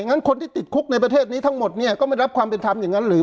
งั้นคนที่ติดคุกในประเทศนี้ทั้งหมดเนี่ยก็ไม่รับความเป็นธรรมอย่างนั้นหรือ